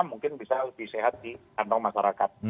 mungkin bisa lebih sehat di kantong masyarakat